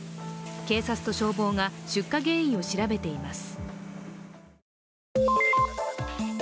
警察と消防が出火原因を調べています。